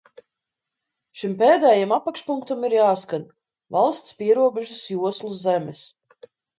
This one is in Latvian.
"Šim pēdējam apakšpunktam ir jāskan: "Valsts pierobežas joslu zemes"."